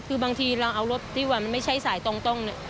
คือบางทีเราเอารถที่ว่ามันไม่ใช่สายตรงเนี่ย